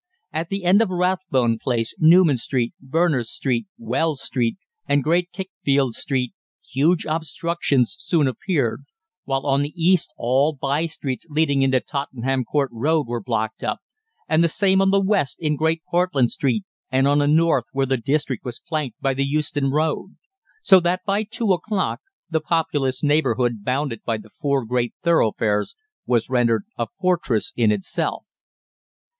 At the end of Rathbone Place, Newman Street, Berners Street, Wells Street, and Great Tichfield Street, huge obstructions soon appeared, while on the east all by streets leading into Tottenham Court Road were blocked up, and the same on the west in Great Portland Street, and on the north where the district was flanked by the Euston Road. So that by two o'clock the populous neighbourhood bounded by the four great thoroughfares was rendered a fortress in itself.